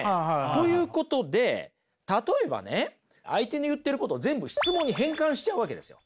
ということで例えばね相手の言ってることを全部質問に変換しちゃうわけですよ。